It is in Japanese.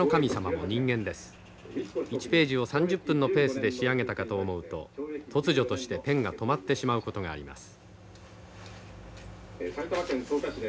１ページを３０分のペースで仕上げたかと思うと突如としてペンが止まってしまうことがあります。